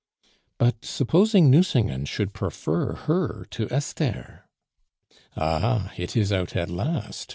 "But supposing Nucingen should prefer her to Esther?" "Ah, it is out at last!"